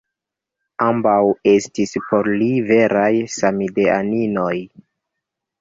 Ambaŭ estis por li veraj samideaninoj.